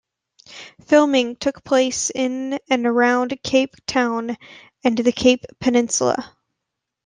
Filming took place in and around Cape Town and the Cape Peninsula.